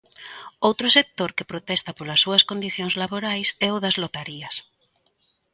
Outro sector que protesta polas súas condicións laborais é o das lotarías.